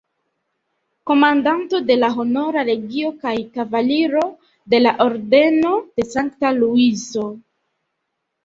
Komandanto de la Honora Legio kaj Kavaliro de la Ordeno de Sankta Luiso.